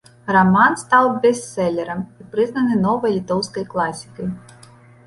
Раман стаў бестселерам і прызнаны новай літоўскай класікай.